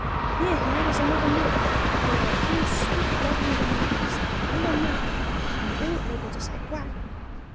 Near here is another moor, where are a few sweet lovely wild geese, all unmarried, and all able to say 'Quack!'